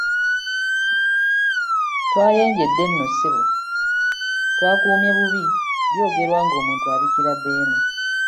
Twayenjedde nno ssebo twakuumye bubi ,byogerwa ng’omuntu abikira Beene.